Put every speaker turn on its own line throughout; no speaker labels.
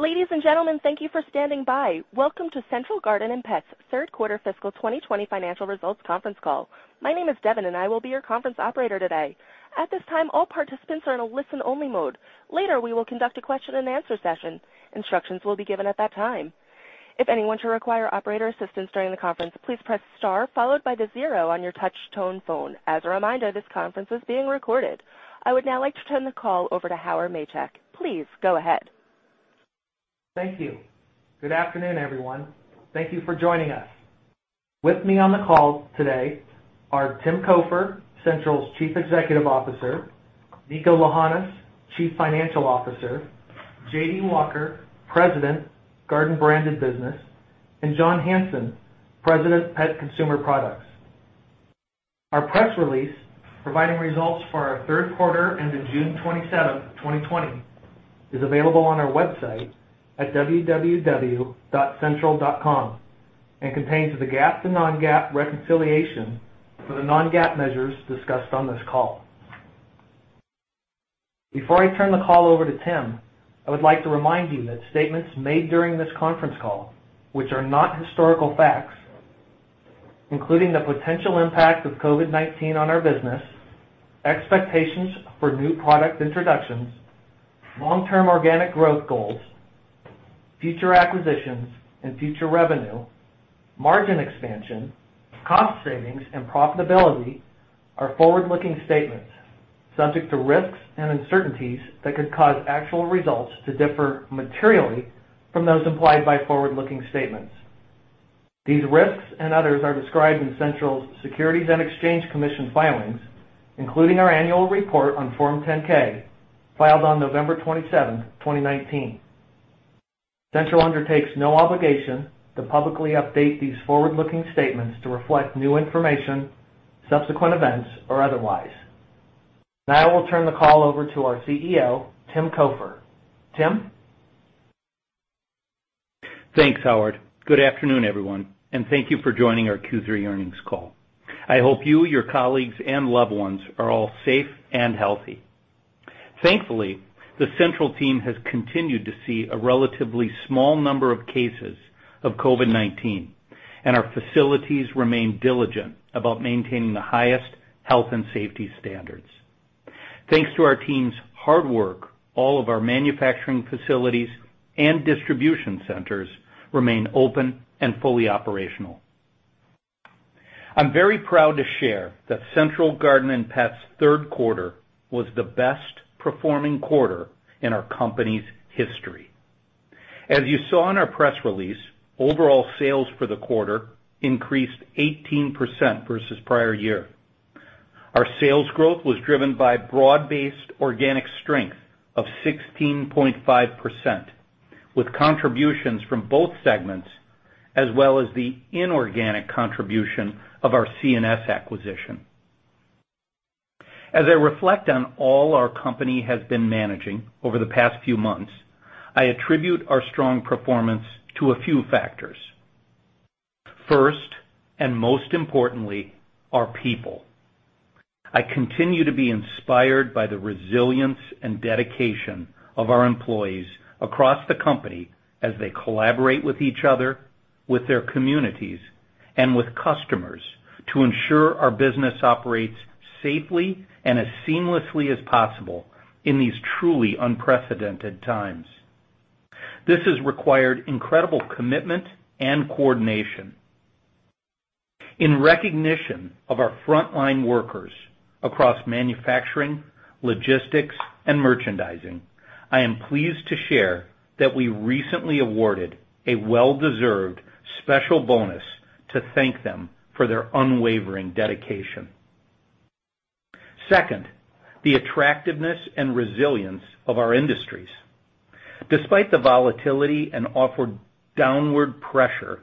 Ladies and gentlemen, thank you for standing by. Welcome to Central Garden & Pet's third quarter fiscal 2020 financial results conference call. My name is Devin, and I will be your conference operator today. At this time, all participants are in a listen-only mode. Later, we will conduct a question-and-answer session. Instructions will be given at that time. If anyone should require operator assistance during the conference, please press star followed by the zero on your touch-tone phone. As a reminder, this conference is being recorded. I would now like to turn the call over to Howard Machek. Please go ahead.
Thank you. Good afternoon, everyone. Thank you for joining us. With me on the call today are Tim Cofer, Central's Chief Executive Officer; Niko Lahanas, Chief Financial Officer; J.D. Walker, President, Garden-branded business; and John Hanson, President, Pet Consumer Products. Our press release, providing results for our third quarter ending June 27, 2020, is available on our website at www.central.com and contains the GAAP-to-non-GAAP reconciliation for the non-GAAP measures discussed on this call. Before I turn the call over to Tim, I would like to remind you that statements made during this conference call, which are not historical facts, including the potential impact of COVID-19 on our business, expectations for new product introductions, long-term organic growth goals, future acquisitions and future revenue, margin expansion, cost savings, and profitability, are forward-looking statements subject to risks and uncertainties that could cause actual results to differ materially from those implied by forward-looking statements. These risks and others are described in Central's Securities and Exchange Commission filings, including our annual report on Form 10-K filed on November 27, 2019. Central undertakes no obligation to publicly update these forward-looking statements to reflect new information, subsequent events, or otherwise. Now I will turn the call over to our CEO, Tim Cofer. Tim?
Thanks, Howard. Good afternoon, everyone, and thank you for joining our Q3 earnings call. I hope you, your colleagues, and loved ones are all safe and healthy. Thankfully, the Central team has continued to see a relatively small number of cases of COVID-19, and our facilities remain diligent about maintaining the highest health and safety standards. Thanks to our team's hard work, all of our manufacturing facilities and distribution centers remain open and fully operational. I'm very proud to share that Central Garden & Pet's third quarter was the best-performing quarter in our company's history. As you saw in our press release, overall sales for the quarter increased 18% versus prior year. Our sales growth was driven by broad-based organic strength of 16.5%, with contributions from both segments as well as the inorganic contribution of our C&S acquisition. As I reflect on all our company has been managing over the past few months, I attribute our strong performance to a few factors. First and most importantly, our people. I continue to be inspired by the resilience and dedication of our employees across the company as they collaborate with each other, with their communities, and with customers to ensure our business operates safely and as seamlessly as possible in these truly unprecedented times. This has required incredible commitment and coordination. In recognition of our frontline workers across manufacturing, logistics, and merchandising, I am pleased to share that we recently awarded a well-deserved special bonus to thank them for their unwavering dedication. Second, the attractiveness and resilience of our industries. Despite the volatility and awkward downward pressure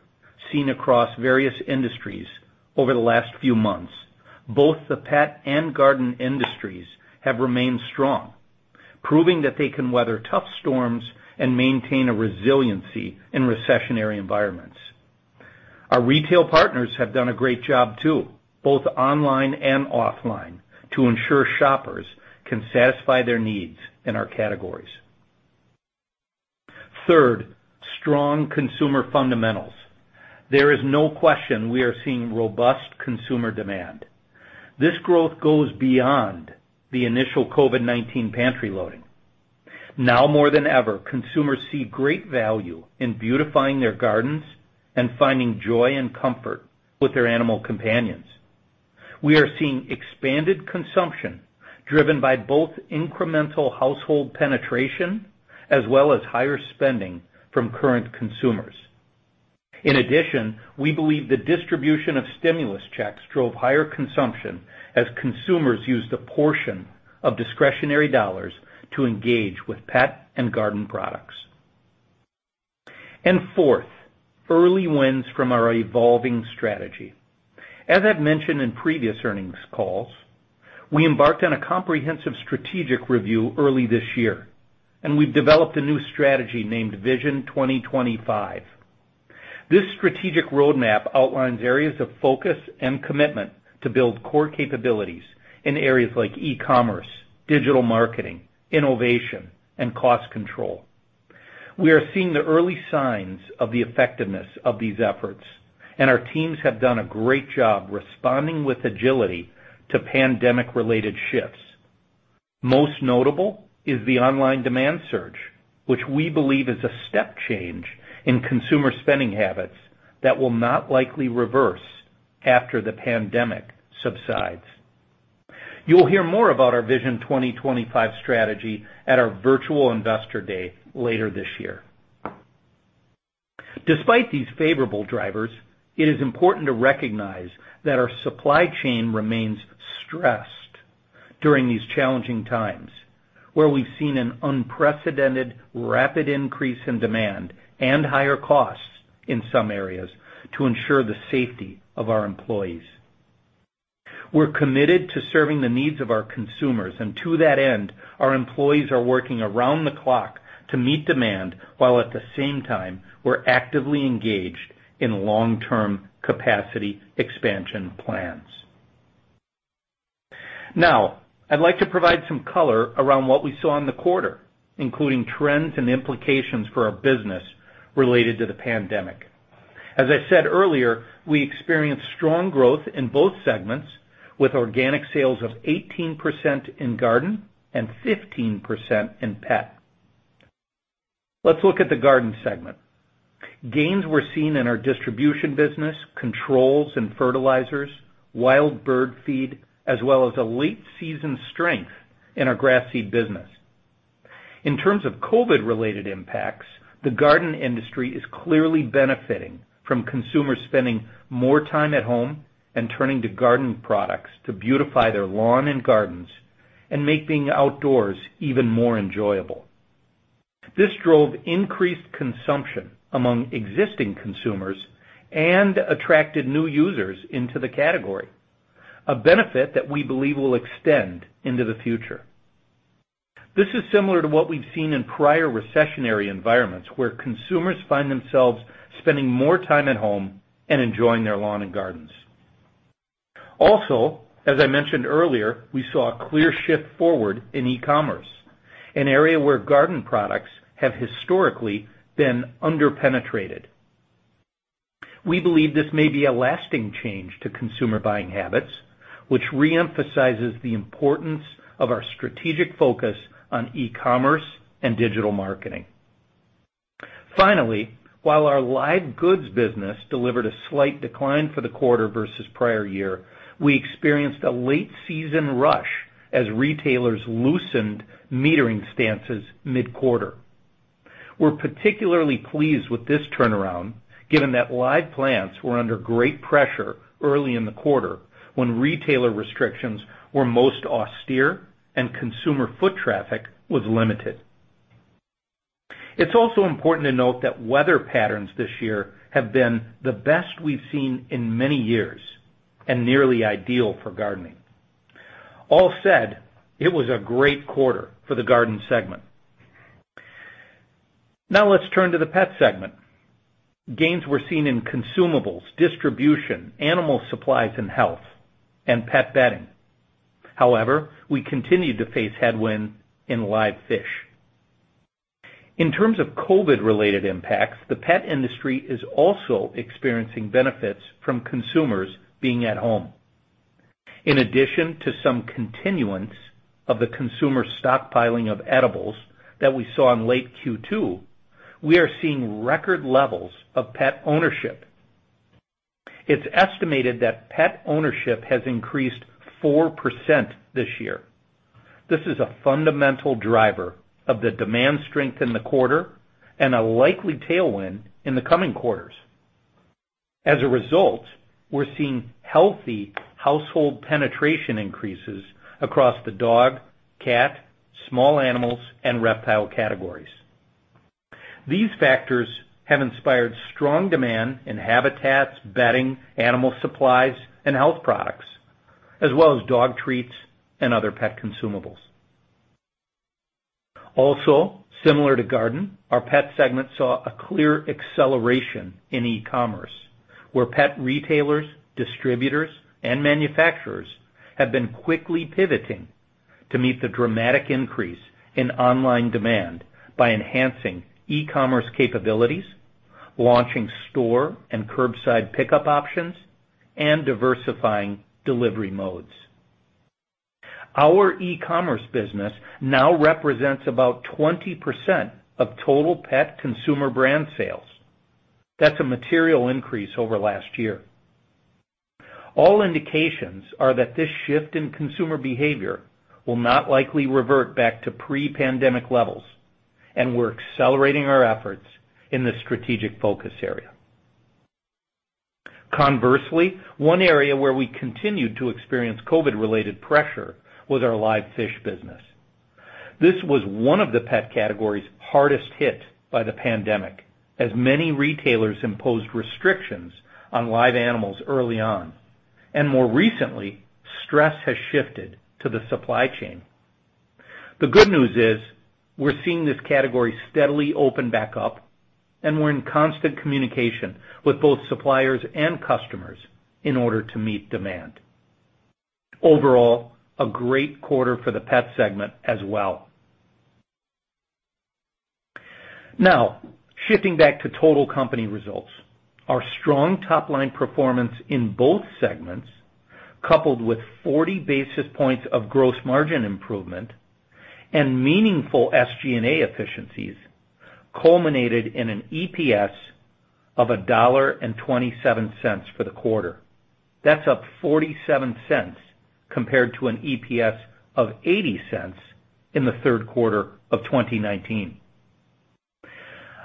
seen across various industries over the last few months, both the pet and garden industries have remained strong, proving that they can weather tough storms and maintain a resiliency in recessionary environments. Our retail partners have done a great job too, both online and offline, to ensure shoppers can satisfy their needs in our categories. Third, strong consumer fundamentals. There is no question we are seeing robust consumer demand. This growth goes beyond the initial COVID-19 pantry loading. Now more than ever, consumers see great value in beautifying their gardens and finding joy and comfort with their animal companions. We are seeing expanded consumption driven by both incremental household penetration as well as higher spending from current consumers. In addition, we believe the distribution of stimulus checks drove higher consumption as consumers used a portion of discretionary dollars to engage with pet and garden products. Fourth, early wins from our evolving strategy. As I've mentioned in previous earnings calls, we embarked on a comprehensive strategic review early this year, and we've developed a new strategy named Vision 2025. This strategic roadmap outlines areas of focus and commitment to build core capabilities in areas like e-commerce, digital marketing, innovation, and cost control. We are seeing the early signs of the effectiveness of these efforts, and our teams have done a great job responding with agility to pandemic-related shifts. Most notable is the online demand surge, which we believe is a step change in consumer spending habits that will not likely reverse after the pandemic subsides. You'll hear more about our Vision 2025 strategy at our virtual investor day later this year. Despite these favorable drivers, it is important to recognize that our supply chain remains stressed during these challenging times where we've seen an unprecedented rapid increase in demand and higher costs in some areas to ensure the safety of our employees. We're committed to serving the needs of our consumers, and to that end, our employees are working around the clock to meet demand while at the same time we're actively engaged in long-term capacity expansion plans. Now, I'd like to provide some color around what we saw in the quarter, including trends and implications for our business related to the pandemic. As I said earlier, we experienced strong growth in both segments with organic sales of 18% in garden and 15% in pet. Let's look at the garden segment. Gains were seen in our distribution business, controls and fertilizers, wild bird feed, as well as a late-season strength in our grass seed business. In terms of COVID-related impacts, the garden industry is clearly benefiting from consumers spending more time at home and turning to garden products to beautify their lawn and gardens and make being outdoors even more enjoyable. This drove increased consumption among existing consumers and attracted new users into the category, a benefit that we believe will extend into the future. This is similar to what we've seen in prior recessionary environments where consumers find themselves spending more time at home and enjoying their lawn and gardens. Also, as I mentioned earlier, we saw a clear shift forward in e-commerce, an area where garden products have historically been underpenetrated. We believe this may be a lasting change to consumer buying habits, which reemphasizes the importance of our strategic focus on e-commerce and digital marketing. Finally, while our live goods business delivered a slight decline for the quarter versus prior year, we experienced a late-season rush as retailers loosened metering stances mid-quarter. We're particularly pleased with this turnaround given that live plants were under great pressure early in the quarter when retailer restrictions were most austere and consumer foot traffic was limited. It's also important to note that weather patterns this year have been the best we've seen in many years and nearly ideal for gardening. All said, it was a great quarter for the garden segment. Now let's turn to the pet segment. Gains were seen in consumables, distribution, animal supplies, and health and pet bedding. However, we continued to face headwinds in live fish. In terms of COVID-related impacts, the pet industry is also experiencing benefits from consumers being at home. In addition to some continuance of the consumer stockpiling of edibles that we saw in late Q2, we are seeing record levels of pet ownership. It's estimated that pet ownership has increased 4% this year. This is a fundamental driver of the demand strength in the quarter and a likely tailwind in the coming quarters. As a result, we're seeing healthy household penetration increases across the dog, cat, small animals, and reptile categories. These factors have inspired strong demand in habitats, bedding, animal supplies, and health products, as well as dog treats and other pet consumables. Also, similar to garden, our pet segment saw a clear acceleration in e-commerce where pet retailers, distributors, and manufacturers have been quickly pivoting to meet the dramatic increase in online demand by enhancing e-commerce capabilities, launching store and curbside pickup options, and diversifying delivery modes. Our e-commerce business now represents about 20% of total pet consumer brand sales. That's a material increase over last year. All indications are that this shift in consumer behavior will not likely revert back to pre-pandemic levels, and we're accelerating our efforts in the strategic focus area. Conversely, one area where we continued to experience COVID-related pressure was our live fish business. This was one of the pet categories hardest hit by the pandemic as many retailers imposed restrictions on live animals early on, and more recently, stress has shifted to the supply chain. The good news is we're seeing this category steadily open back up, and we're in constant communication with both suppliers and customers in order to meet demand. Overall, a great quarter for the pet segment as well. Now, shifting back to total company results, our strong top-line performance in both segments, coupled with 40 basis points of gross margin improvement and meaningful SG&A efficiencies, culminated in an EPS of $1.27 for the quarter. That's up $0.47 compared to an EPS of $0.80 in the third quarter of 2019.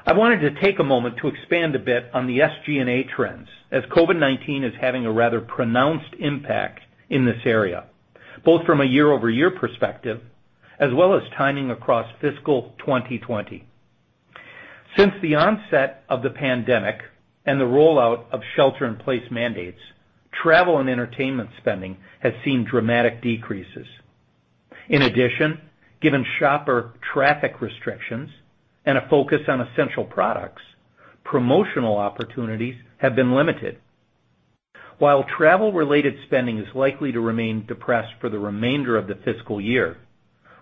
I wanted to take a moment to expand a bit on the SG&A trends as COVID-19 is having a rather pronounced impact in this area, both from a year-over-year perspective as well as timing across fiscal 2020. Since the onset of the pandemic and the rollout of shelter-in-place mandates, travel and entertainment spending has seen dramatic decreases. In addition, given shopper traffic restrictions and a focus on essential products, promotional opportunities have been limited. While travel-related spending is likely to remain depressed for the remainder of the fiscal year,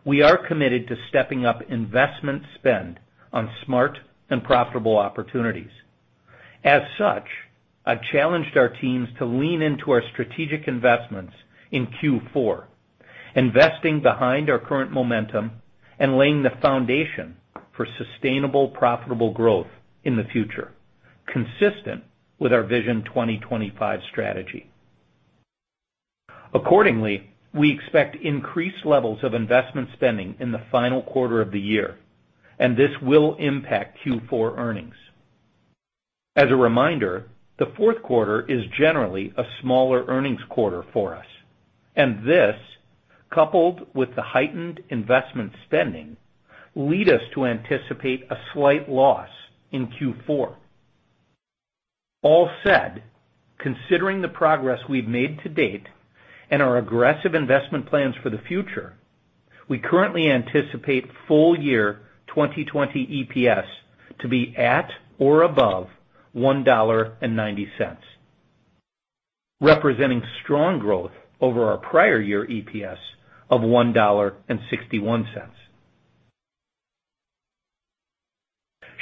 we are committed to stepping up investment spend on smart and profitable opportunities. As such, I've challenged our teams to lean into our strategic investments in Q4, investing behind our current momentum and laying the foundation for sustainable, profitable growth in the future, consistent with our Vision 2025 strategy. Accordingly, we expect increased levels of investment spending in the final quarter of the year, and this will impact Q4 earnings. As a reminder, the fourth quarter is generally a smaller earnings quarter for us, and this, coupled with the heightened investment spending, leads us to anticipate a slight loss in Q4. All said, considering the progress we've made to date and our aggressive investment plans for the future, we currently anticipate full-year 2020 EPS to be at or above $1.90, representing strong growth over our prior-year EPS of $1.61.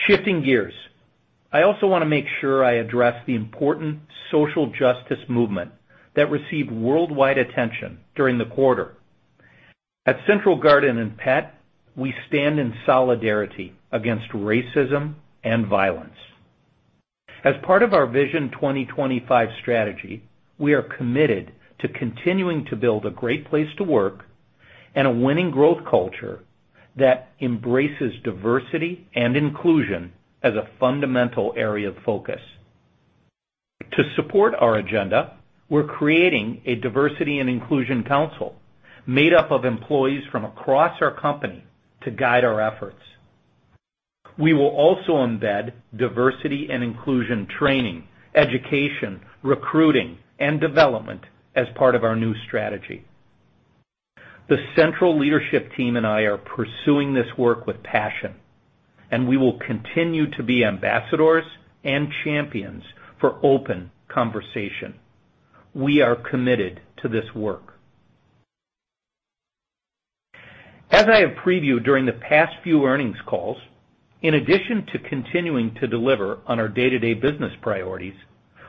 Shifting gears, I also want to make sure I address the important social justice movement that received worldwide attention during the quarter. At Central Garden & Pet, we stand in solidarity against racism and violence. As part of our Vision 2025 strategy, we are committed to continuing to build a great place to work and a winning growth culture that embraces diversity and inclusion as a fundamental area of focus. To support our agenda, we're creating a diversity and inclusion council made up of employees from across our company to guide our efforts. We will also embed diversity and inclusion training, education, recruiting, and development as part of our new strategy. The central leadership team and I are pursuing this work with passion, and we will continue to be ambassadors and champions for open conversation. We are committed to this work. As I have previewed during the past few earnings calls, in addition to continuing to deliver on our day-to-day business priorities,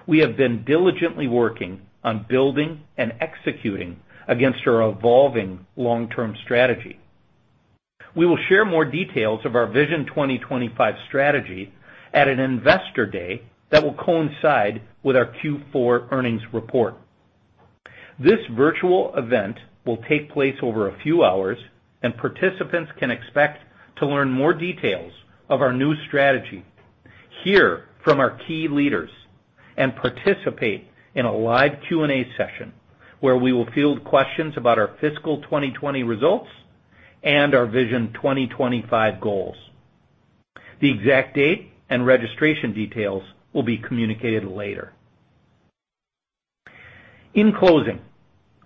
we have been diligently working on building and executing against our evolving long-term strategy. We will share more details of our Vision 2025 strategy at an investor day that will coincide with our Q4 earnings report. This virtual event will take place over a few hours, and participants can expect to learn more details of our new strategy, hear from our key leaders, and participate in a live Q&A session where we will field questions about our fiscal 2020 results and our Vision 2025 goals. The exact date and registration details will be communicated later. In closing,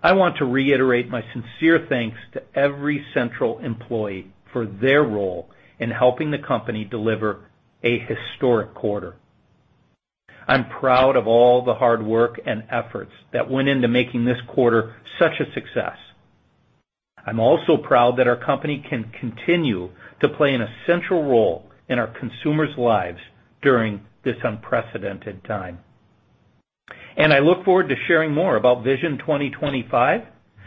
I want to reiterate my sincere thanks to every Central employee for their role in helping the company deliver a historic quarter. I'm proud of all the hard work and efforts that went into making this quarter such a success. I'm also proud that our company can continue to play an essential role in our consumers' lives during this unprecedented time. I look forward to sharing more about Vision 2025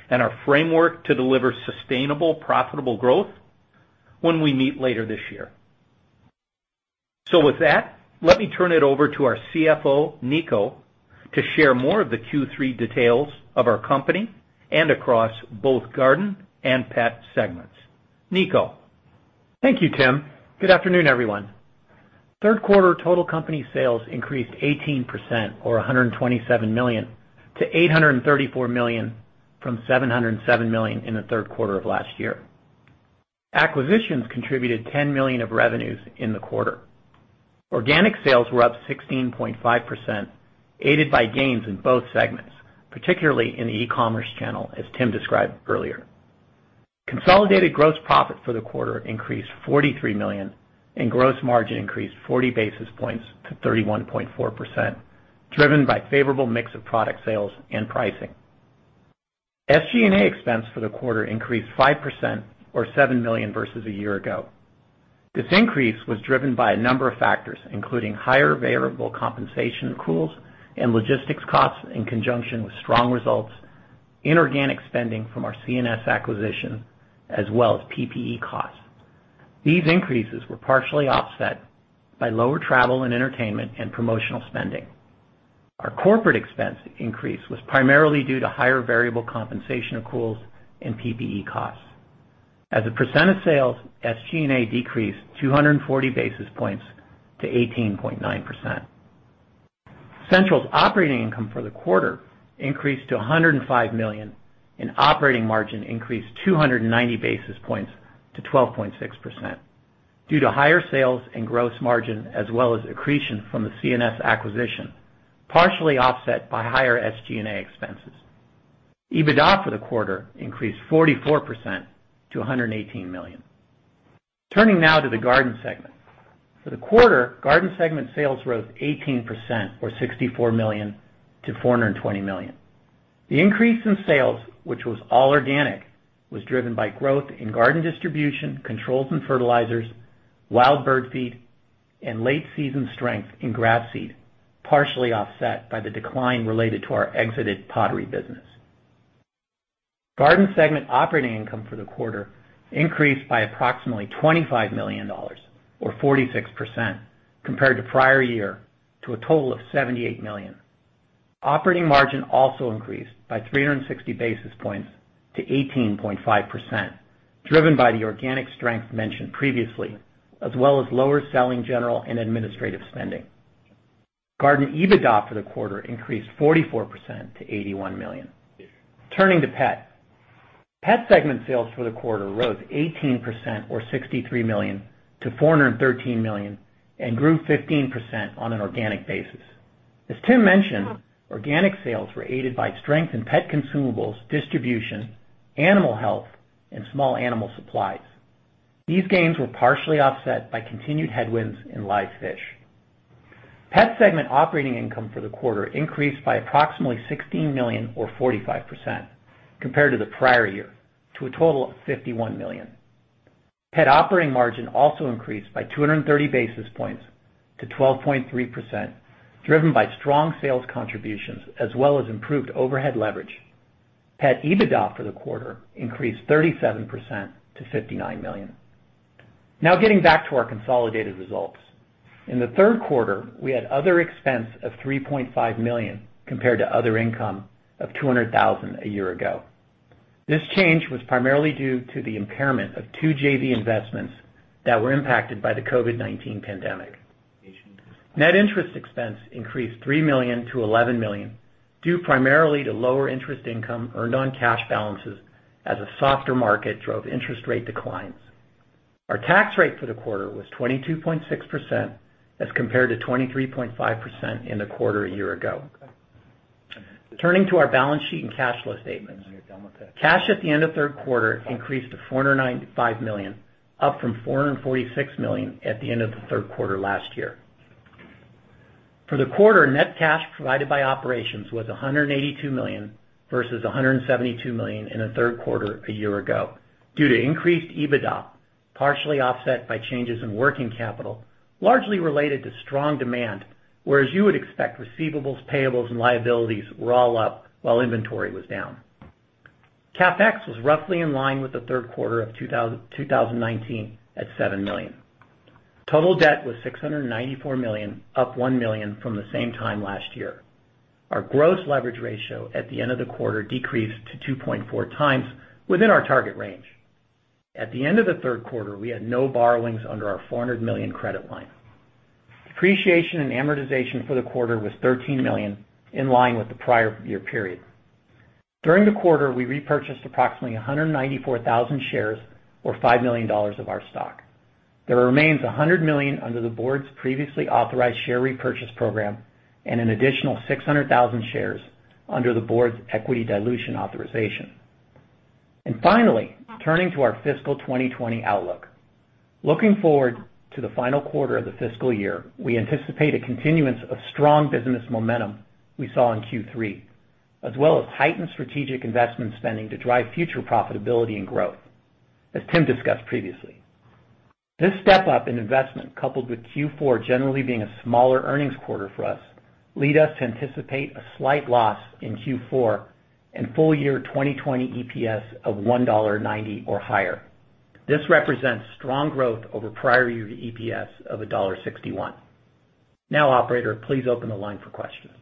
and our framework to deliver sustainable, profitable growth when we meet later this year. With that, let me turn it over to our CFO, Niko, to share more of the Q3 details of our company and across both garden and pet segments. Niko.
Thank you, Tim. Good afternoon, everyone. Third quarter total company sales increased 18%, or $127 million, to $834 million from $707 million in the third quarter of last year. Acquisitions contributed $10 million of revenues in the quarter. Organic sales were up 16.5%, aided by gains in both segments, particularly in the e-commerce channel, as Tim described earlier. Consolidated gross profit for the quarter increased $43 million, and gross margin increased 40 basis points to 31.4%, driven by a favorable mix of product sales and pricing. SG&A expense for the quarter increased 5%, or $7 million versus a year ago. This increase was driven by a number of factors, including higher variable compensation pools and logistics costs in conjunction with strong results, inorganic spending from our C&S acquisition, as well as PPE costs. These increases were partially offset by lower travel and entertainment and promotional spending. Our corporate expense increase was primarily due to higher variable compensation pools and PPE costs. As a percent of sales, SG&A decreased 240 basis points to 18.9%. Central's operating income for the quarter increased to $105 million, and operating margin increased 290 basis points to 12.6% due to higher sales and gross margin, as well as accretion from the C&S acquisition, partially offset by higher SG&A expenses. EBITDA for the quarter increased 44% to $118 million. Turning now to the garden segment. For the quarter, garden segment sales rose 18%, or $64 million, to $420 million. The increase in sales, which was all organic, was driven by growth in garden distribution, controls and fertilizers, wild bird feed, and late-season strength in grass seed, partially offset by the decline related to our exited pottery business. Garden segment operating income for the quarter increased by approximately $25 million, or 46%, compared to prior year, to a total of $78 million. Operating margin also increased by 360 basis points to 18.5%, driven by the organic strength mentioned previously, as well as lower selling, general and administrative spending. Garden EBITDA for the quarter increased 44% to $81 million. Turning to pet. Pet segment sales for the quarter rose 18%, or $63 million, to $413 million, and grew 15% on an organic basis. As Tim mentioned, organic sales were aided by strength in pet consumables, distribution, animal health, and small animal supplies. These gains were partially offset by continued headwinds in live fish. Pet segment operating income for the quarter increased by approximately $16 million, or 45%, compared to the prior year, to a total of $51 million. Pet operating margin also increased by 230 basis points to 12.3%, driven by strong sales contributions as well as improved overhead leverage. Pet EBITDA for the quarter increased 37% to $59 million. Now, getting back to our consolidated results. In the third quarter, we had other expense of $3.5 million compared to other income of $200,000 a year ago. This change was primarily due to the impairment of two JV investments that were impacted by the COVID-19 pandemic. Net interest expense increased $3 million to $11 million due primarily to lower interest income earned on cash balances as a softer market drove interest rate declines. Our tax rate for the quarter was 22.6% as compared to 23.5% in the quarter a year ago. Turning to our balance sheet and cash flow statements, cash at the end of third quarter increased to $495 million, up from $446 million at the end of the third quarter last year. For the quarter, net cash provided by operations was $182 million versus $172 million in the third quarter a year ago due to increased EBITDA, partially offset by changes in working capital, largely related to strong demand, whereas you would expect receivables, payables, and liabilities were all up while inventory was down. CapEx was roughly in line with the third quarter of 2019 at $7 million. Total debt was $694 million, up $1 million from the same time last year. Our gross leverage ratio at the end of the quarter decreased to 2.4 times within our target range. At the end of the third quarter, we had no borrowings under our $400 million credit line. Depreciation and amortization for the quarter was $13 million, in line with the prior-year period. During the quarter, we repurchased approximately 194,000 shares, or $5 million of our stock. There remains $100 million under the board's previously authorized share repurchase program and an additional 600,000 shares under the board's equity dilution authorization. Finally, turning to our fiscal 2020 outlook. Looking forward to the final quarter of the fiscal year, we anticipate a continuance of strong business momentum we saw in Q3, as well as heightened strategic investment spending to drive future profitability and growth, as Tim discussed previously. This step-up in investment, coupled with Q4 generally being a smaller earnings quarter for us, led us to anticipate a slight loss in Q4 and full-year 2020 EPS of $1.90 or higher. This represents strong growth over prior-year EPS of $1.61. Now, operator, please open the line for questions.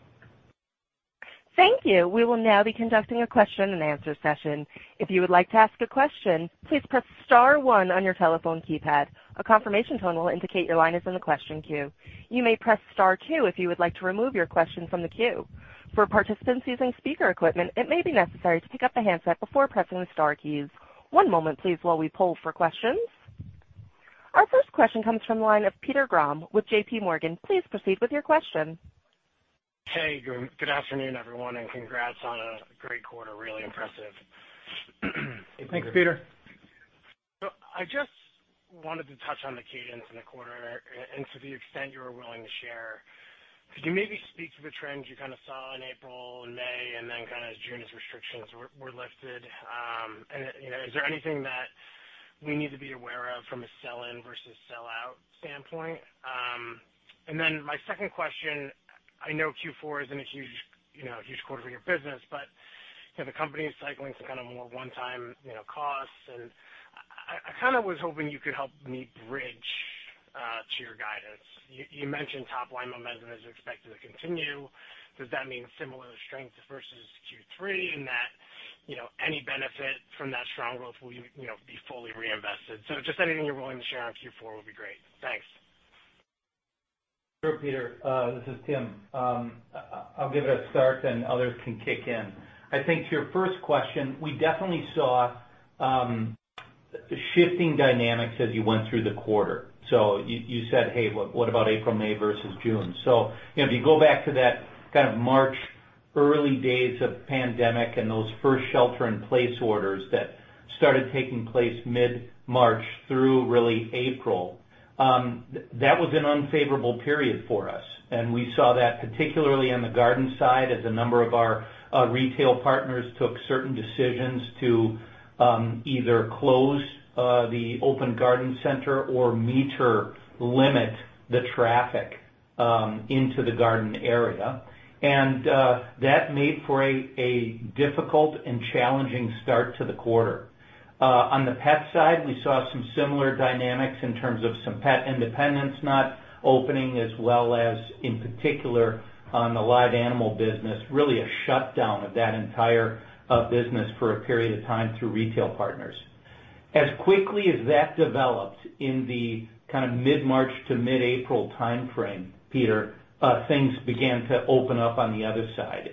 Thank you. We will now be conducting a question-and-answer session. If you would like to ask a question, please press Star 1 on your telephone keypad. A confirmation tone will indicate your line is in the question queue. You may press Star 2 if you would like to remove your question from the queue. For participants using speaker equipment, it may be necessary to pick up the handset before pressing the Star keys. One moment, please, while we pull for questions. Our first question comes from the line of Peter Graham with J.P. Morgan. Please proceed with your question.
Hey, good afternoon, everyone, and congrats on a great quarter. Really impressive.
Thanks, Peter.
I just wanted to touch on the cadence in the quarter and to the extent you were willing to share. Could you maybe speak to the trend you kind of saw in April and May and then kind of as June as restrictions were lifted? Is there anything that we need to be aware of from a sell-in versus sell-out standpoint? My second question, I know Q4 isn't a huge quarter for your business, but the company is cycling to kind of more one-time costs. I kind of was hoping you could help me bridge to your guidance. You mentioned top-line momentum is expected to continue. Does that mean similar strength versus Q3 in that any benefit from that strong growth will be fully reinvested? Anything you're willing to share on Q4 would be great. Thanks.
Sure, Peter. This is Tim. I'll give it a start, and others can kick in. I think to your first question, we definitely saw shifting dynamics as you went through the quarter. You said, "Hey, what about April, May versus June?" If you go back to that kind of March, early days of pandemic and those first shelter-in-place orders that started taking place mid-March through really April, that was an unfavorable period for us. We saw that particularly on the garden side as a number of our retail partners took certain decisions to either close the open garden center or meter limit the traffic into the garden area. That made for a difficult and challenging start to the quarter. On the pet side, we saw some similar dynamics in terms of some pet independents not opening as well as, in particular, on the live animal business, really a shutdown of that entire business for a period of time through retail partners. As quickly as that developed in the kind of mid-March to mid-April timeframe, Peter, things began to open up on the other side.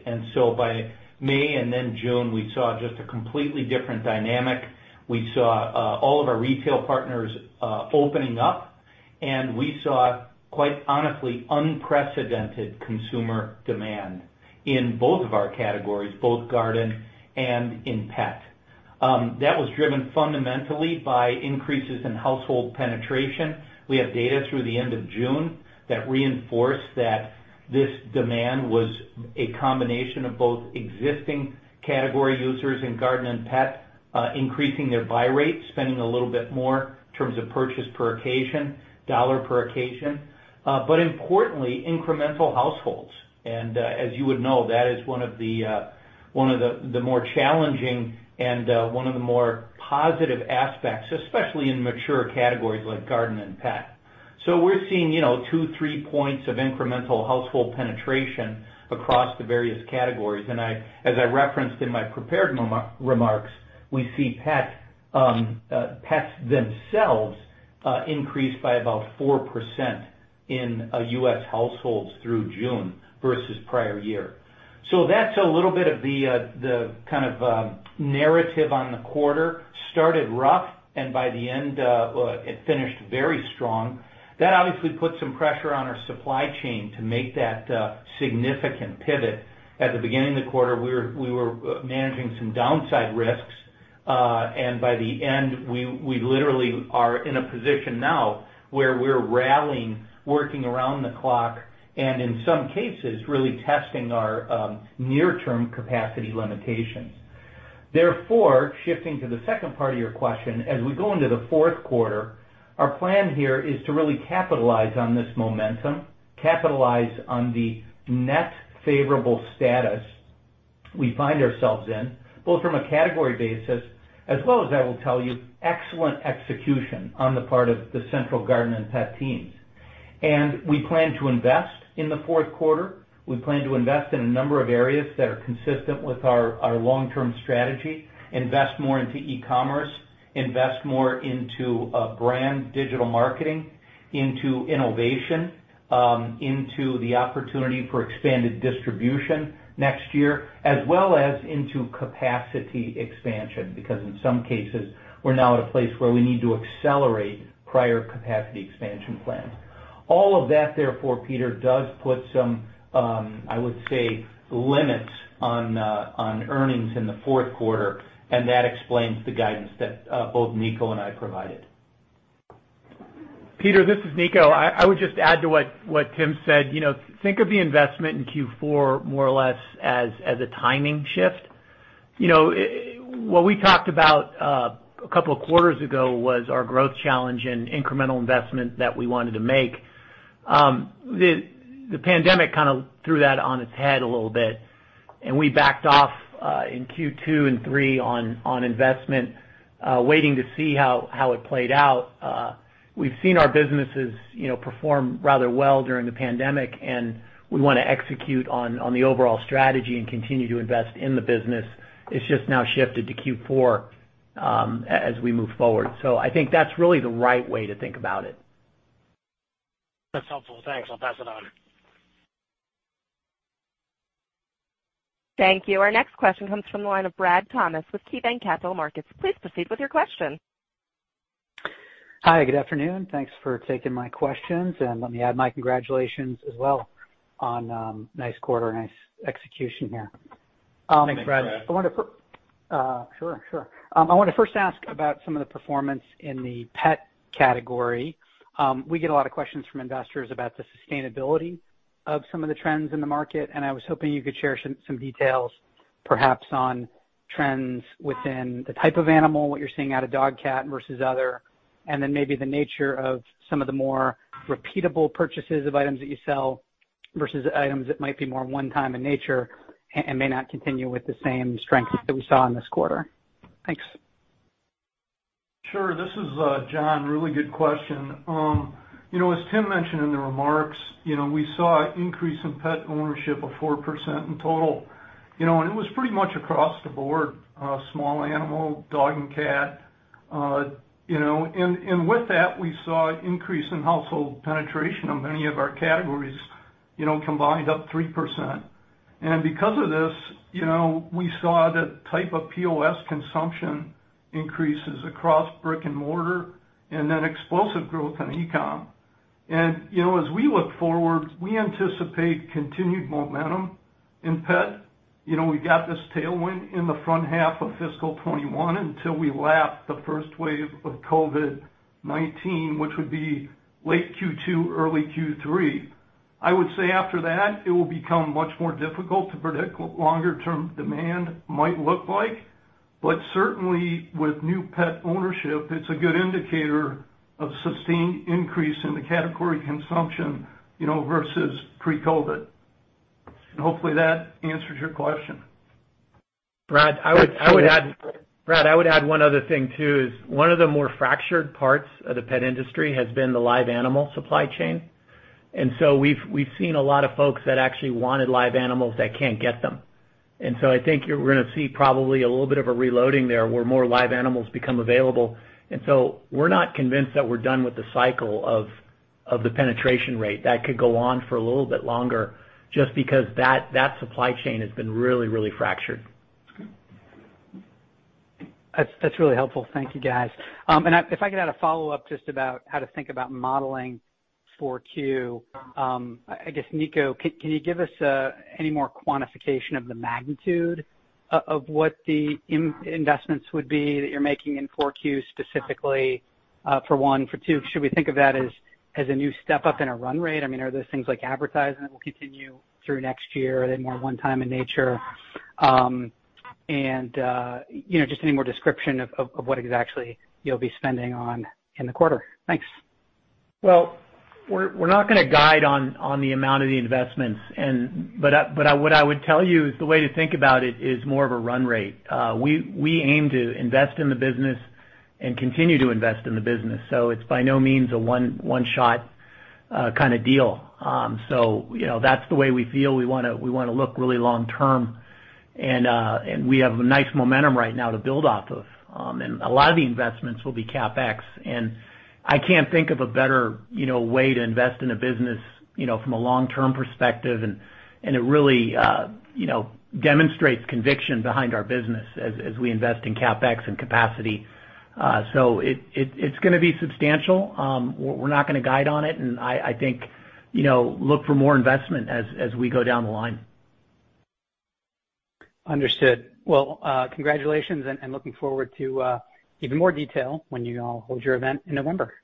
By May and then June, we saw just a completely different dynamic. We saw all of our retail partners opening up, and we saw, quite honestly, unprecedented consumer demand in both of our categories, both garden and in pet. That was driven fundamentally by increases in household penetration. We have data through the end of June that reinforced that this demand was a combination of both existing category users in garden and pet, increasing their buy rate, spending a little bit more in terms of purchase per occasion, dollar per occasion. Importantly, incremental households. As you would know, that is one of the more challenging and one of the more positive aspects, especially in mature categories like garden and pet. We are seeing two-three points of incremental household penetration across the various categories. As I referenced in my prepared remarks, we see pets themselves increased by about 4% in U.S. households through June versus prior year. That is a little bit of the kind of narrative on the quarter. Started rough, and by the end, it finished very strong. That obviously put some pressure on our supply chain to make that significant pivot. At the beginning of the quarter, we were managing some downside risks. By the end, we literally are in a position now where we're rallying, working around the clock, and in some cases, really testing our near-term capacity limitations. Therefore, shifting to the second part of your question, as we go into the fourth quarter, our plan here is to really capitalize on this momentum, capitalize on the net favorable status we find ourselves in, both from a category basis, as well as, I will tell you, excellent execution on the part of the Central Garden & Pet teams. We plan to invest in the fourth quarter. We plan to invest in a number of areas that are consistent with our long-term strategy, invest more into e-commerce, invest more into brand digital marketing, into innovation, into the opportunity for expanded distribution next year, as well as into capacity expansion because in some cases, we're now at a place where we need to accelerate prior capacity expansion plans. All of that, therefore, Peter, does put some, I would say, limits on earnings in the fourth quarter, and that explains the guidance that both Niko and I provided.
Peter, this is Niko. I would just add to what Tim said. Think of the investment in Q4 more or less as a timing shift. What we talked about a couple of quarters ago was our growth challenge and incremental investment that we wanted to make. The pandemic kind of threw that on its head a little bit, and we backed off in Q2 and Q3 on investment, waiting to see how it played out. We've seen our businesses perform rather well during the pandemic, and we want to execute on the overall strategy and continue to invest in the business. It's just now shifted to Q4 as we move forward. I think that's really the right way to think about it.
That's helpful. Thanks. I'll pass it on.
Thank you. Our next question comes from the line of Brad Thomas with KeyBanc Capital Markets. Please proceed with your question.
Hi, good afternoon. Thanks for taking my questions. Let me add my congratulations as well on nice quarter, nice execution here.
Thanks, Brad.
I want to first ask about some of the performance in the pet category. We get a lot of questions from investors about the sustainability of some of the trends in the market, and I was hoping you could share some details, perhaps on trends within the type of animal, what you're seeing out of dog, cat, versus other, and then maybe the nature of some of the more repeatable purchases of items that you sell versus items that might be more one-time in nature and may not continue with the same strength that we saw in this quarter. Thanks.
Sure. This is John. Really good question. As Tim mentioned in the remarks, we saw an increase in pet ownership of 4% in total. It was pretty much across the board: small animal, dog, and cat. With that, we saw an increase in household penetration on many of our categories combined up 3%. Because of this, we saw the type of POS consumption increases across brick and mortar and then explosive growth in e-com. As we look forward, we anticipate continued momentum in pet. We've got this tailwind in the front half of fiscal 2021 until we lap the first wave of COVID-19, which would be late Q2, early Q3. I would say after that, it will become much more difficult to predict what longer-term demand might look like. Certainly, with new pet ownership, it's a good indicator of sustained increase in the category consumption versus pre-COVID. Hopefully, that answers your question.
Brad, I would add one other thing too. One of the more fractured parts of the pet industry has been the live animal supply chain. We have seen a lot of folks that actually wanted live animals that cannot get them. I think we are going to see probably a little bit of a reloading there where more live animals become available. We are not convinced that we are done with the cycle of the penetration rate. That could go on for a little bit longer just because that supply chain has been really, really fractured.
That's really helpful. Thank you, guys. If I could add a follow-up just about how to think about modeling for Q, I guess, Niko, can you give us any more quantification of the magnitude of what the investments would be that you're making in Q4 specifically for one? For two, should we think of that as a new step-up in a run rate? I mean, are there things like advertising that will continue through next year? Are they more one-time in nature? Just any more description of what exactly you'll be spending on in the quarter. Thanks.
We're not going to guide on the amount of the investments. What I would tell you is the way to think about it is more of a run rate. We aim to invest in the business and continue to invest in the business. It is by no means a one-shot kind of deal. That is the way we feel. We want to look really long-term, and we have a nice momentum right now to build off of. A lot of the investments will be CapEx. I cannot think of a better way to invest in a business from a long-term perspective. It really demonstrates conviction behind our business as we invest in CapEx and capacity. It is going to be substantial. We're not going to guide on it. I think look for more investment as we go down the line.
Understood. Congratulations and looking forward to even more detail when you all hold your event in November.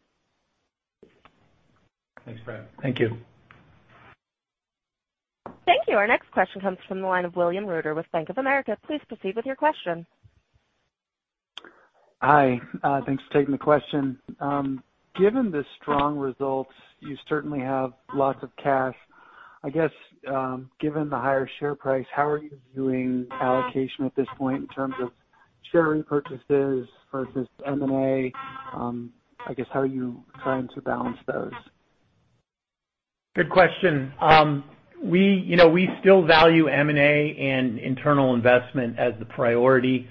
Thanks, Brad.
Thank you.
Thank you. Our next question comes from the line of William Roeder with Bank of America. Please proceed with your question.
Hi. Thanks for taking the question. Given the strong results, you certainly have lots of cash. I guess, given the higher share price, how are you viewing allocation at this point in terms of share repurchases versus M&A? I guess, how are you trying to balance those?
Good question. We still value M&A and internal investment as the priority.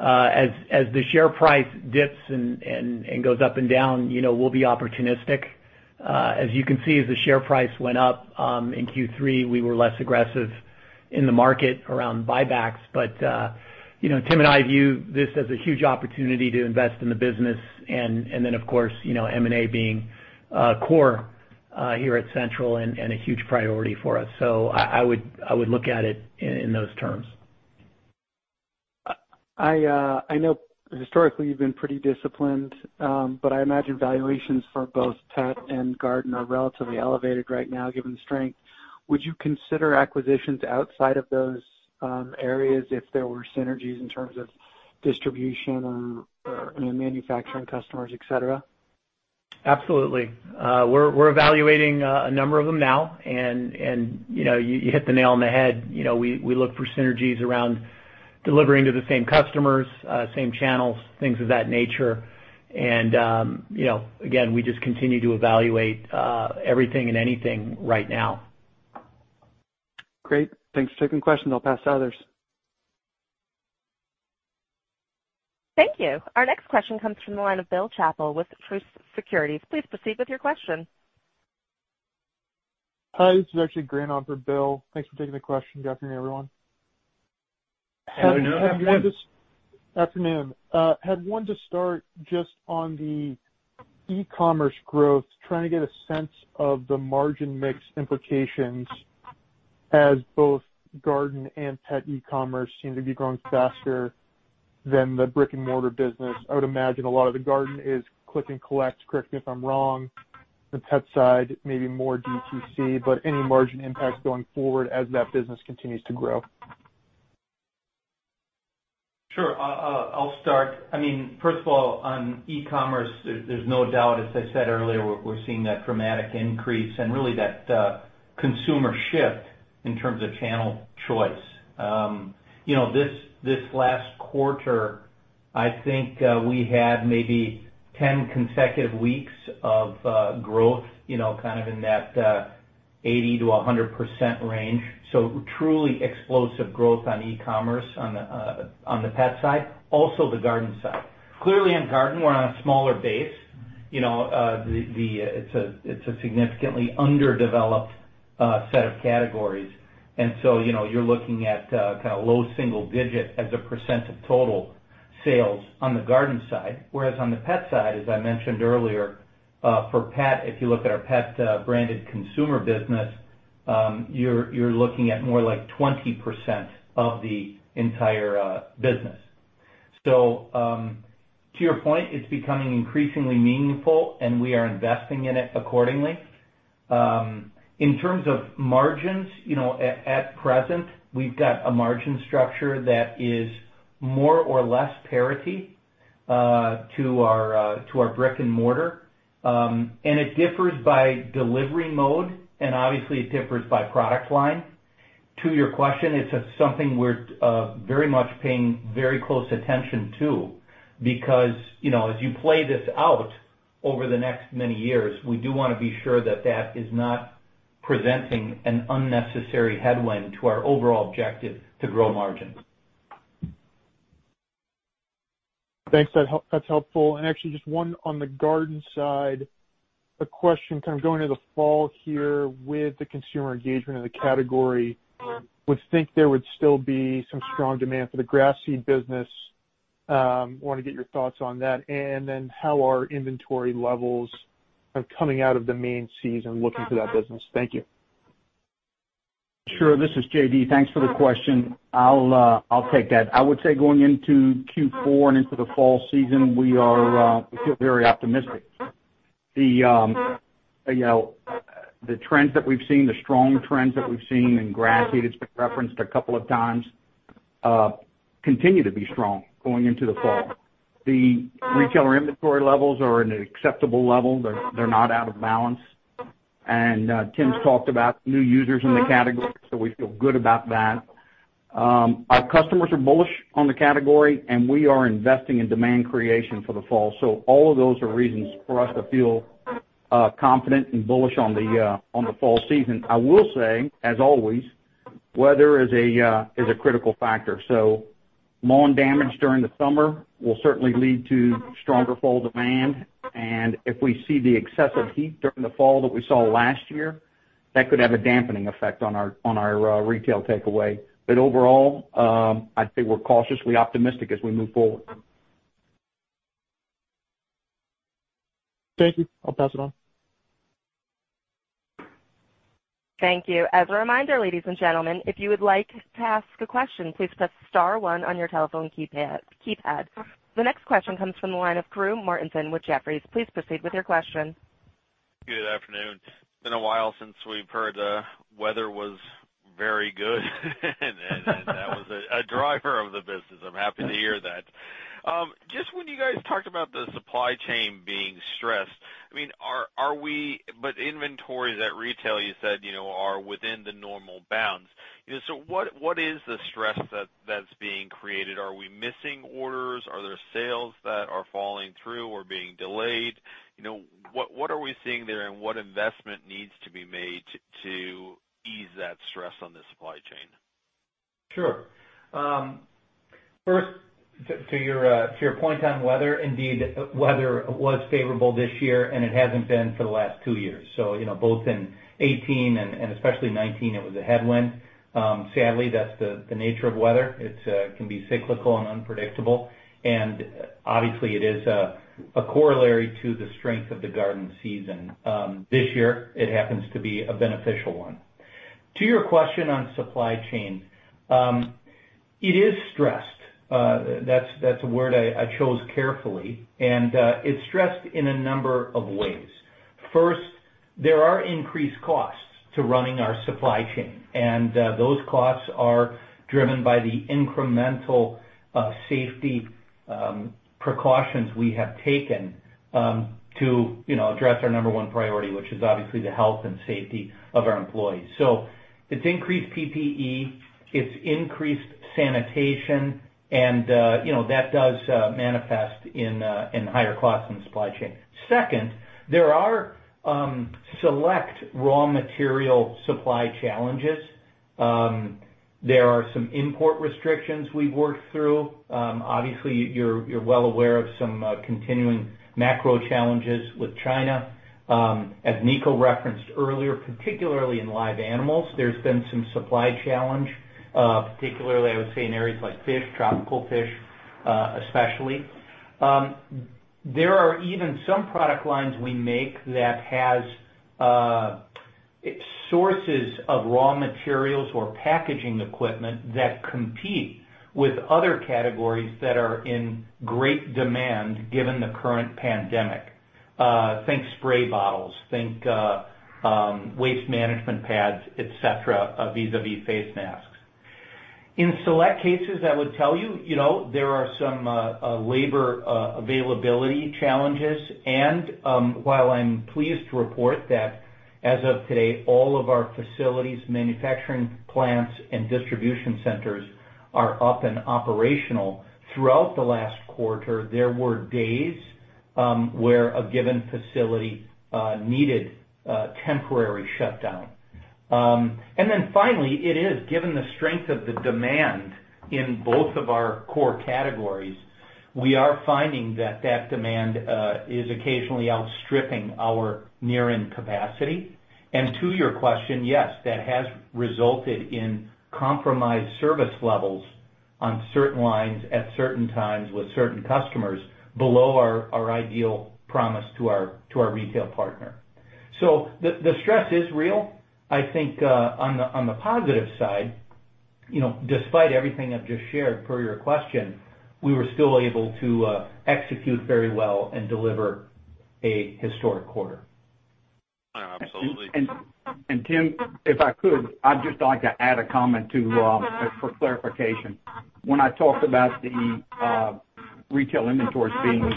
As the share price dips and goes up and down, we'll be opportunistic. As you can see, as the share price went up in Q3, we were less aggressive in the market around buybacks. Tim and I view this as a huge opportunity to invest in the business. Of course, M&A being core here at Central and a huge priority for us. I would look at it in those terms.
I know historically you've been pretty disciplined, but I imagine valuations for both pet and garden are relatively elevated right now given the strength. Would you consider acquisitions outside of those areas if there were synergies in terms of distribution or manufacturing customers, etc.?
Absolutely. We're evaluating a number of them now. You hit the nail on the head. We look for synergies around delivering to the same customers, same channels, things of that nature. We just continue to evaluate everything and anything right now.
Great. Thanks for taking the question. I'll pass it to others.
Thank you. Our next question comes from the line of Bill Chappell with First Securities. Please proceed with your question.
Hi. This is actually Grant on for Bill. Thanks for taking the question. Good afternoon, everyone.
Have a good day.
Good afternoon. Had wanted to start just on the e-commerce growth, trying to get a sense of the margin mix implications as both garden and pet e-commerce seem to be growing faster than the brick and mortar business. I would imagine a lot of the garden is click and collect. Correct me if I'm wrong. The pet side, maybe more DTC, but any margin impacts going forward as that business continues to grow.
Sure. I'll start. I mean, first of all, on e-commerce, there's no doubt, as I said earlier, we're seeing that dramatic increase and really that consumer shift in terms of channel choice. This last quarter, I think we had maybe 10 consecutive weeks of growth kind of in that 80-100% range. Truly explosive growth on e-commerce on the pet side, also the garden side. Clearly, in garden, we're on a smaller base. It's a significantly underdeveloped set of categories. You're looking at kind of low single digit as a percent of total sales on the garden side. Whereas on the pet side, as I mentioned earlier, for pet, if you look at our pet-branded consumer business, you're looking at more like 20% of the entire business. To your point, it's becoming increasingly meaningful, and we are investing in it accordingly. In terms of margins, at present, we've got a margin structure that is more or less parity to our brick and mortar. It differs by delivery mode, and obviously, it differs by product line. To your question, it's something we're very much paying very close attention to because as you play this out over the next many years, we do want to be sure that that is not presenting an unnecessary headwind to our overall objective to grow margins.
Thanks. That's helpful. Actually, just one on the garden side, a question kind of going into the fall here with the consumer engagement of the category. Would think there would still be some strong demand for the grass seed business. Want to get your thoughts on that. Then how are inventory levels coming out of the main season looking for that business? Thank you.
Sure. This is J.D. Thanks for the question. I'll take that. I would say going into Q4 and into the fall season, we feel very optimistic. The trends that we've seen, the strong trends that we've seen in grass seed, it's been referenced a couple of times, continue to be strong going into the fall. The retailer inventory levels are at an acceptable level. They're not out of balance. Tim's talked about new users in the category, so we feel good about that. Our customers are bullish on the category, and we are investing in demand creation for the fall. All of those are reasons for us to feel confident and bullish on the fall season. I will say, as always, weather is a critical factor. Lawn damage during the summer will certainly lead to stronger fall demand. If we see the excessive heat during the fall that we saw last year, that could have a dampening effect on our retail takeaway. Overall, I'd say we're cautiously optimistic as we move forward.
Thank you. I'll pass it on.
Thank you. As a reminder, ladies and gentlemen, if you would like to ask a question, please press star one on your telephone keypad. The next question comes from the line of Karru Martinson with Jefferies. Please proceed with your question.
Good afternoon. It's been a while since we've heard the weather was very good, and that was a driver of the business. I'm happy to hear that. Just when you guys talked about the supply chain being stressed, I mean, but inventories at retail, you said, are within the normal bounds. What is the stress that's being created? Are we missing orders? Are there sales that are falling through or being delayed? What are we seeing there, and what investment needs to be made to ease that stress on the supply chain?
Sure. First, to your point on weather, indeed, weather was favorable this year, and it has not been for the last two years. Both in 2018 and especially 2019, it was a headwind. Sadly, that is the nature of weather. It can be cyclical and unpredictable. Obviously, it is a corollary to the strength of the garden season. This year, it happens to be a beneficial one. To your question on supply chain, it is stressed. That is a word I chose carefully. It is stressed in a number of ways. First, there are increased costs to running our supply chain. Those costs are driven by the incremental safety precautions we have taken to address our number one priority, which is obviously the health and safety of our employees. It is increased PPE. It is increased sanitation. That does manifest in higher costs in the supply chain. Second, there are select raw material supply challenges. There are some import restrictions we've worked through. Obviously, you're well aware of some continuing macro challenges with China. As Niko referenced earlier, particularly in live animals, there's been some supply challenge, particularly, I would say, in areas like fish, tropical fish, especially. There are even some product lines we make that have sources of raw materials or packaging equipment that compete with other categories that are in great demand given the current pandemic. Think spray bottles. Think waste management pads, etc., vis-à-vis face masks. In select cases, I would tell you there are some labor availability challenges. While I'm pleased to report that as of today, all of our facilities, manufacturing plants, and distribution centers are up and operational, throughout the last quarter, there were days where a given facility needed temporary shutdown. Finally, given the strength of the demand in both of our core categories, we are finding that demand is occasionally outstripping our nearing capacity. To your question, yes, that has resulted in compromised service levels on certain lines at certain times with certain customers below our ideal promise to our retail partner. The stress is real. I think on the positive side, despite everything I have just shared per your question, we were still able to execute very well and deliver a historic quarter.
Absolutely.
Tim, if I could, I'd just like to add a comment for clarification. When I talked about the retail inventories being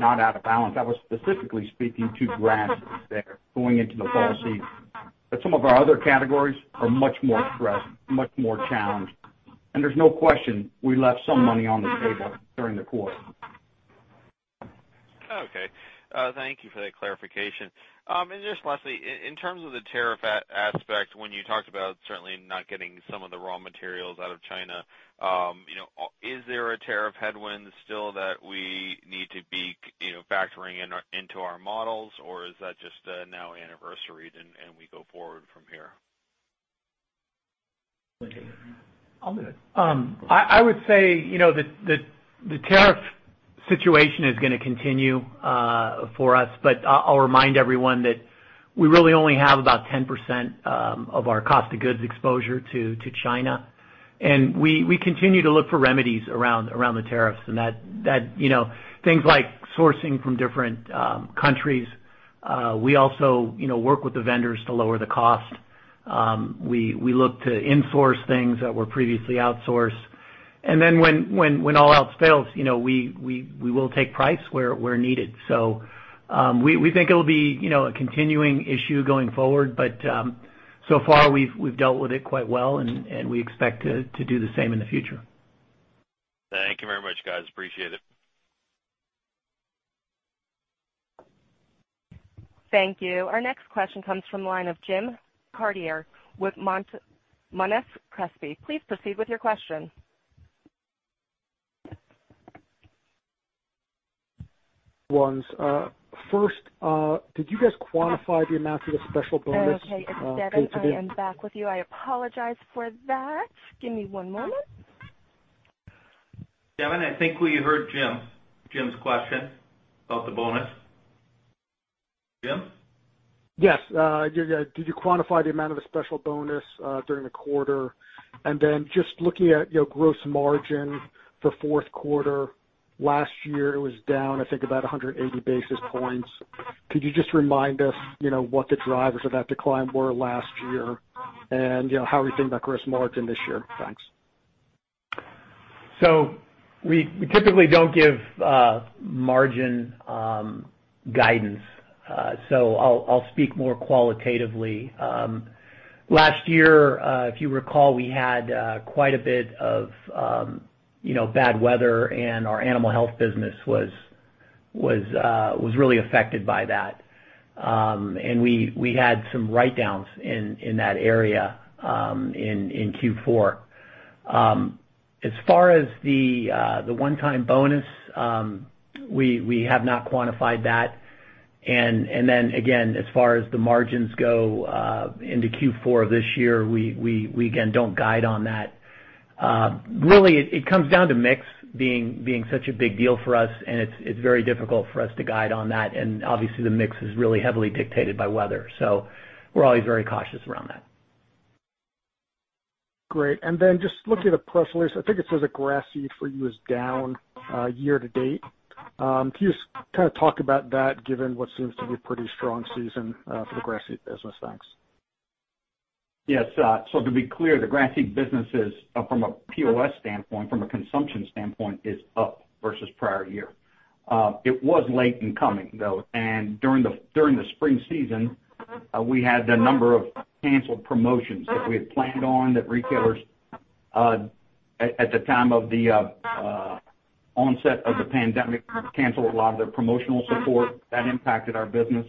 not out of balance, I was specifically speaking to grasses there going into the fall season. Some of our other categories are much more stressed, much more challenged. There is no question we left some money on the table during the quarter.
Thank you for that clarification. Just lastly, in terms of the tariff aspect, when you talked about certainly not getting some of the raw materials out of China, is there a tariff headwind still that we need to be factoring into our models, or is that just now anniversary and we go forward from here?
I'll do it. I would say the tariff situation is going to continue for us, but I'll remind everyone that we really only have about 10% of our cost of goods exposure to China. We continue to look for remedies around the tariffs. Things like sourcing from different countries. We also work with the vendors to lower the cost. We look to insource things that were previously outsourced. When all else fails, we will take price where needed. We think it'll be a continuing issue going forward, but so far, we've dealt with it quite well, and we expect to do the same in the future.
Thank you very much, guys. Appreciate it.
Thank you. Our next question comes from the line of Jim Chartier with Monness Crespi. Please proceed with your question.
First, did you guys quantify the amount of the special bonus?
Okay. It's dead on the end back with you. I apologize for that. Give me one moment.
Kevin, I think we heard Jim's question about the bonus. Jim?
Yes. Did you quantify the amount of the special bonus during the quarter? Just looking at gross margin for fourth quarter, last year, it was down, I think, about 180 basis points. Could you just remind us what the drivers of that decline were last year and how are we thinking about gross margin this year? Thanks.
We typically don't give margin guidance, so I'll speak more qualitatively. Last year, if you recall, we had quite a bit of bad weather, and our animal health business was really affected by that. We had some write-downs in that area in Q4. As far as the one-time bonus, we have not quantified that. As far as the margins go into Q4 of this year, we again don't guide on that. Really, it comes down to mix being such a big deal for us, and it's very difficult for us to guide on that. Obviously, the mix is really heavily dictated by weather. We are always very cautious around that.
Great. Just looking at the press release, I think it says grass seed for you is down year to date. Can you just kind of talk about that given what seems to be a pretty strong season for the grass seed business? Thanks.
Yes. To be clear, the grass seed businesses, from a POS standpoint, from a consumption standpoint, is up versus prior year. It was late in coming, though. During the spring season, we had a number of canceled promotions that we had planned on that retailers, at the time of the onset of the pandemic, canceled a lot of their promotional support. That impacted our business.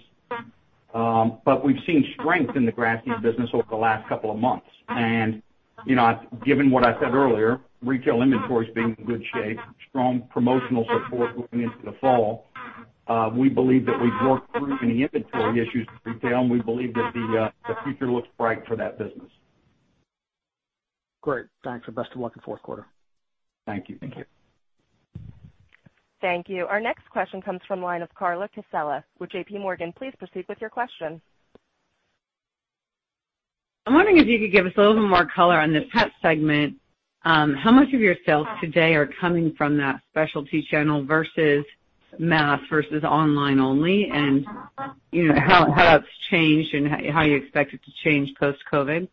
We've seen strength in the grass seed business over the last couple of months. Given what I said earlier, retail inventory is in good shape, strong promotional support going into the fall, we believe that we've worked through any inventory issues in retail, and we believe that the future looks bright for that business.
Great. Thanks. Best of luck in fourth quarter.
Thank you.
Thank you.
Thank you. Our next question comes from the line of Carla Casella with J.P. Morgan. Please proceed with your question.
I'm wondering if you could give us a little bit more color on the pet segment. How much of your sales today are coming from that specialty channel versus mass versus online only? How that's changed and how you expect it to change post-COVID?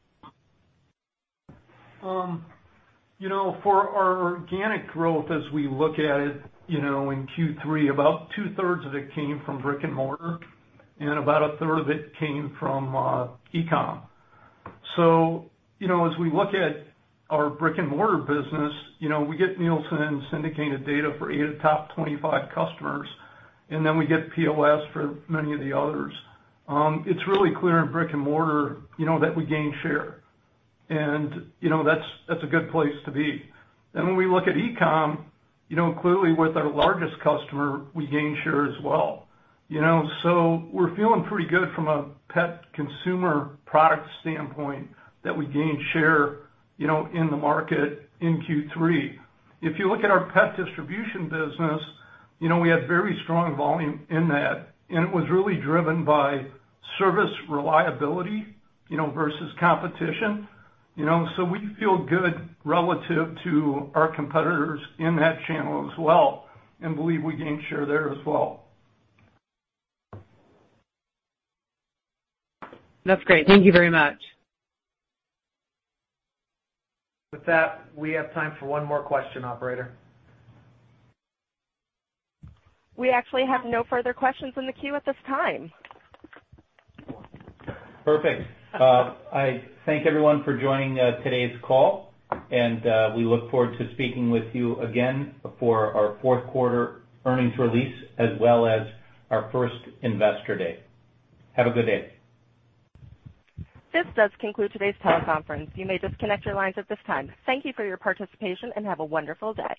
For our organic growth, as we look at it in Q3, about two-thirds of it came from brick and mortar, and about a third of it came from e-com. As we look at our brick and mortar business, we get Nielsen and syndicated data for eight of the top 25 customers, and then we get POS for many of the others. It's really clear in brick and mortar that we gain share. That's a good place to be. When we look at e-com, clearly, with our largest customer, we gain share as well. We're feeling pretty good from a pet consumer product standpoint that we gain share in the market in Q3. If you look at our pet distribution business, we had very strong volume in that, and it was really driven by service reliability versus competition. We feel good relative to our competitors in that channel as well and believe we gained share there as well.
That's great. Thank you very much.
With that, we have time for one more question, operator.
We actually have no further questions in the queue at this time.
Perfect. I thank everyone for joining today's call, and we look forward to speaking with you again for our fourth quarter earnings release as well as our first investor day. Have a good day.
This does conclude today's teleconference. You may disconnect your lines at this time. Thank you for your participation and have a wonderful day.